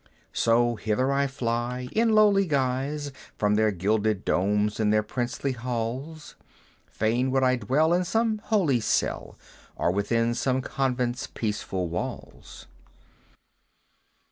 "So hither I fly, in lowly guise, From their gilded domes and their princely halls; Fain would I dwell in some holy cell, Or within some Convent's peaceful walls!"